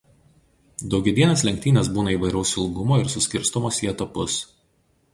Daugiadienės lenktynės būna įvairaus ilgumo ir suskirstomos į etapus.